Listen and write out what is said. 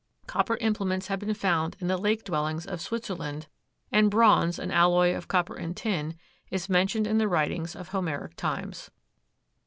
Copper implements have been found in the lake dwellings of Switzerland, and bronze, an alloy of copper and tin, is mentioned in the writings of Homeric times.